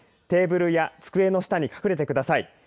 テーブルや机の下に隠れてください。